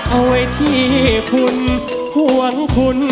เอาไว้ที่คุณห่วงคุณ